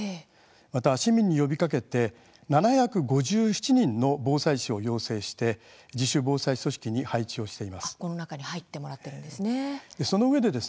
また、市民に呼びかけて７５７人の防災士を養成して自主防災組織に配置をしています。